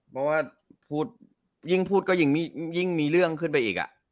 เพราะว่าพูดยิ่งพูดก็ยิ่งมีเรื่องขึ้นไปอีก